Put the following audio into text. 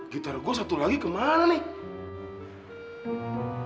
gitar gue satu lagi kemana nih